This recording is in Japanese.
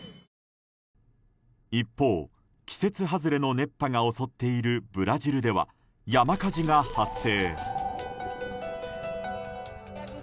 一方、季節外れの熱波が襲っているブラジルでは山火事が発生。